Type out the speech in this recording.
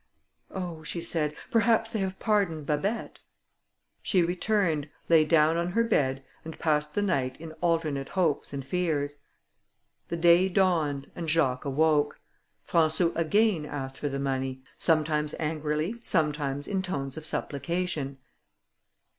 "Oh," she said, "perhaps they have pardoned Babet." She returned, lay down on her bed, and passed the night in alternate hopes and fears. The day dawned, and Jacques awoke. Françou again asked for the money, sometimes angrily, sometimes in tones of supplication.